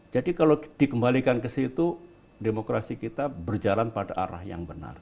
jadi kalau dikembalikan ke situ demokrasi kita berjalan pada arah yang benar